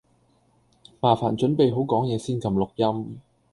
麻煩準備好講嘢先㩒錄音